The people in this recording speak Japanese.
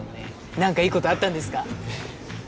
何かいいことあったんですか？